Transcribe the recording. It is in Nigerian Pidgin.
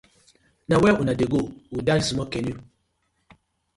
Na where uno dey go wit dat small canoe?